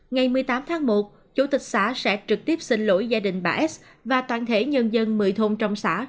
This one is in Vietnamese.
ngày một mươi tám tháng một chủ tịch xã sẽ trực tiếp xin lỗi gia đình bà s và toàn thể nhân dân một mươi thôn trong xã